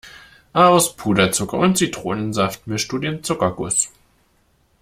Aus Puderzucker und Zitronensaft mischst du den Zuckerguss.